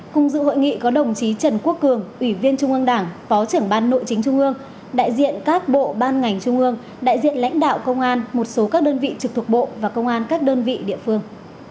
cùng dự hội nghị có đồng chí trần quốc cường ủy viên trung ương đảng phó trưởng ban nội chính trung ương đại diện các bộ ban ngành trung ương đại diện lãnh đạo công an một số các đơn vị trực thuộc bộ và công an các đơn vị địa phương